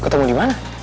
ketemu di mana